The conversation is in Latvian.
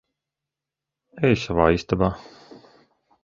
Ej savā istabā.